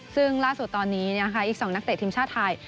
ซึ่งล่าสุดตอนนี้นะคะอีก๒นักเตะทีมชาติไทย